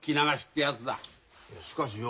いやしかしよ